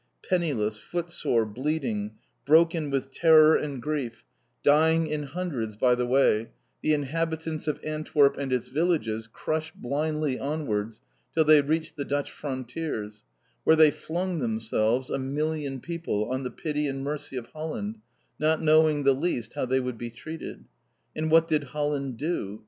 Penniless, footsore, bleeding, broken with terror and grief, dying in hundreds by the way, the inhabitants of Antwerp and its villages crushed blindly onwards till they reached the Dutch frontiers, where they flung themselves, a million people, on the pity and mercy of Holland, not knowing the least how they would be treated. And what did Holland do?